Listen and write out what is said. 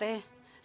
maaf pak rt